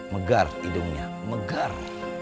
megar hidungnya megar